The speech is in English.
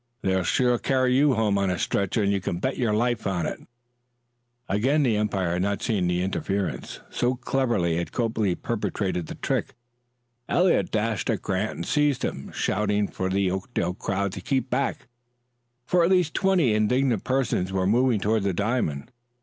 They'll sure carry you home on a stretcher, and you can bet your life on that!" Again the umpire had not seen the interference, so cleverly had Copley perpetrated the trick. Eliot dashed at Grant and seized him, shouting for the Oakdale crowd to keep back; for at least twenty indignant persons were moving toward the diamond.